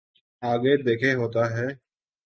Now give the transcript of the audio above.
آگے دیکھیے ہوتا ہے۔